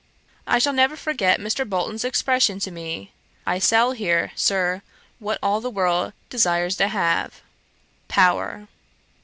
I shall never forget Mr. Bolton's expression to me: 'I sell here, Sir, what all the world desires to have POWER.'